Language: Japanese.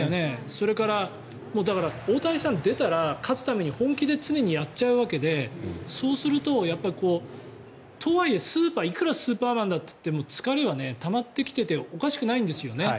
それから大谷さん、出たら勝つために本気で常にやっちゃうわけでそうすると、とはいえいくらスーパーマンだといっても疲れはたまってきていておかしくないんですよね。